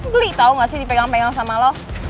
glee tau gak sih dipegang pegang sama lo